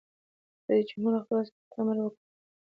رئیس جمهور خپلو عسکرو ته امر وکړ؛ د ځنګلونو اور مړ کړئ!